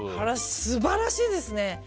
素晴らしいですね。